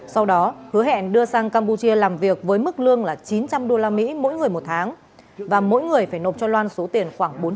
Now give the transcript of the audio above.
sau đó hứa hẹn đưa sang campuchia làm việc với mức lương chín trăm linh usd mỗi người một tháng và mỗi người phải nộp cho loan số tiền khoảng bốn triệu đồng